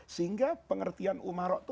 sehingga pengertian umaro itu